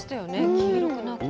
黄色くなくて。